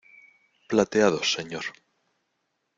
plateados, señor.